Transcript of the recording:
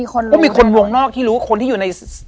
เพราะมีคนวงนอกที่รู้คนที่อยู่ใน